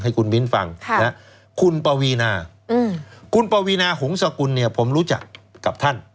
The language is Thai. ให้คุณมิ้นฟังคุณปวีนาคุณปวีนาหงศกุลเนี่ยผมรู้จักกับท่าน